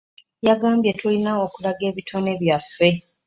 Yagambye tulina okulaga ebitone byaffe.